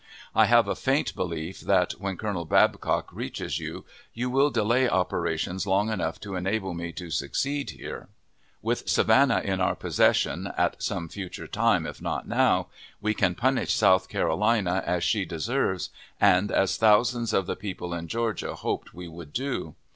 I have a faint belief that, when Colonel Babcock reaches you, you will delay operations long enough to enable me to succeed here. With Savannah in our possession, at some future time if not now, we can punish South Carolina as she deserves, and as thousands of the people in Georgia hoped we would do.